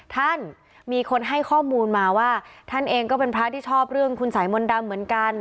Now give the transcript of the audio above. ท่านมีคนให้ข้อมูลมาว่าท่านเองก็เป็นพระที่ชอบเรื่องคุณสายมนต์ดำเหมือนกัน